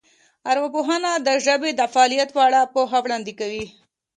ارواپوهنه د ژبې د فعالیت په اړه پوهه وړاندې کوي